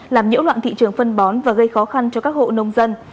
làm nhiễu loạn thị trường phân bón và gây khó khăn cho các hộ nông dân